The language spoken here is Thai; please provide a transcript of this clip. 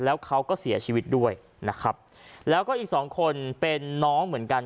แล้วเขาก็เสียชีวิตด้วยนะครับแล้วก็อีกสองคนเป็นน้องเหมือนกัน